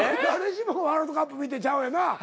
誰しもワールドカップ見てちゃうよな。